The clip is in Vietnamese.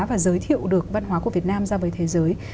và giới thiệu được văn hóa của việt nam ra với thế giới